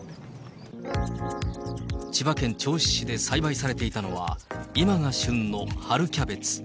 千葉県銚子市で栽培されていたのは、今が旬の春キャベツ。